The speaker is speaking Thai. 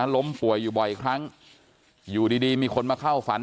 ล้มป่วยอยู่บ่อยครั้งอยู่ดีมีคนมาเข้าฝัน